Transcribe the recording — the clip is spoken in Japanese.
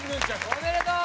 おめでとう！